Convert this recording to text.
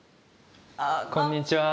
こんにちは。